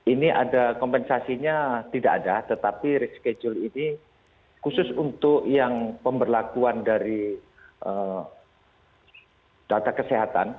ini ada kompensasinya tidak ada tetapi reschedule ini khusus untuk yang pemberlakuan dari data kesehatan